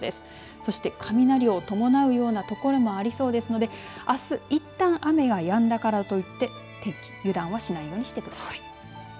そして、雷を伴うような所もありそうですのであす、いったん雨がやんだからといって油断はしないようにしてください。